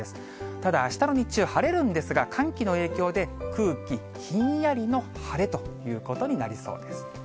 ただ、あしたの日中、晴れるんですが、寒気の影響で空気ひんやりの晴れということになりそうです。